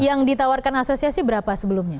yang ditawarkan asosiasi berapa sebelumnya